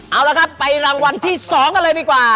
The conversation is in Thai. เอาละครับไปรางวัลที่๒กันเลยดีกว่า